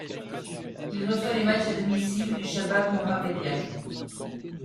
Il reçoit les matchs à domicile du Chabab Mohammedia.